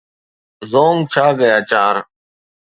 زونگ چا گيا چار